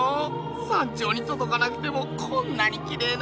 山頂にとどかなくてもこんなにきれいなんだ。